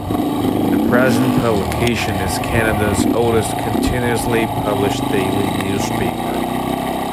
The present publication is Canada's oldest continuously published daily newspaper.